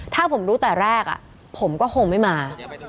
ถ้าผมรู้แต่แรกผมก็คงไม่มา